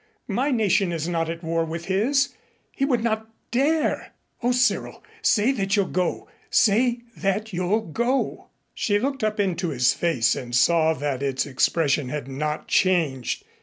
My nation is not at war with his. He would not dare! O Cyril, say that you'll go say that you'll go " She looked up into his face and saw that its expression had not changed.